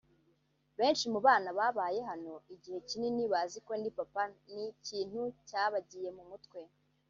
Benshi mu bana babaye hano igihe kinini bazi ko ndi “Papa” ni ikintu cyabagiye mu mutwe